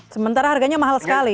sementara harganya mahal sekali